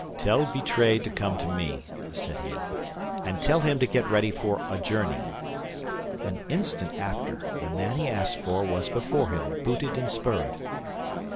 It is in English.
"Tell Vitray to come to me," said he, "and tell him to get ready for a journey." An instant after, the man he asked for was before him, booted and spurred.